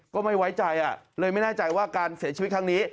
ไม่ไว้ใจเลยไม่แน่ใจว่าการเสียชีวิตครั้งนี้